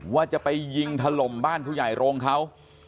ว่าจะไปยิงถล่มบ้านผู้ใหญ่โรงเขา